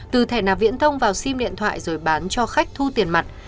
từ thẻ nào viễn thông vào sim điện thoại rồi bán cho khách thu tiền mặt